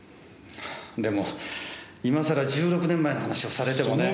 でも今さら１６年前の話をされてもね。